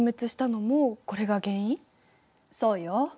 そうよ。